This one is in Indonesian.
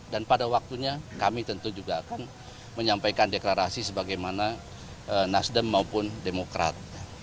dan pada waktunya kami tentu juga akan menyampaikan deklarasi sebagaimana nasdem maupun demokrat